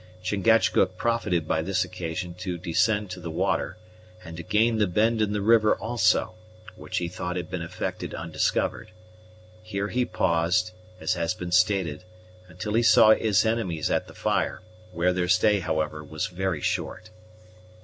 Chingachgook profited by this occasion to descend to the water, and to gain the bend in the river also, which he thought had been effected undiscovered. Here he paused, as has been stated, until he saw his enemies at the fire, where their stay, however, was very short.